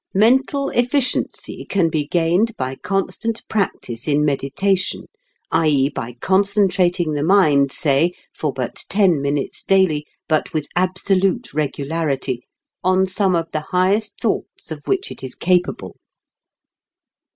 Mental efficiency can be gained by constant practice in meditation i.e., by concentrating the mind, say, for but ten minutes daily, but with absolute regularity, on some of the highest thoughts of which it is capable.